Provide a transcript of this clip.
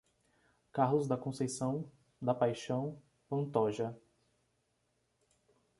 Carlos da Conceição da Paixao Pantoja